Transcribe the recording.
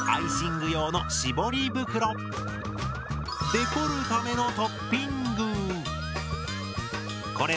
デコるためのトッピング。